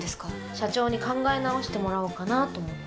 社長に考え直してもらおうかなと思って。